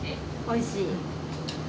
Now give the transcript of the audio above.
おいしい？